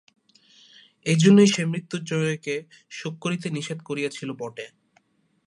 এইজন্যই সে মৃত্যুঞ্জয়কে শোক করিতে নিষেধ করিয়াছিল বটে!